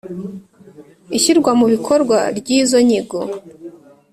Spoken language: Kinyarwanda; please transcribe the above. ishyirwa mu bikorwa ry izo nyigo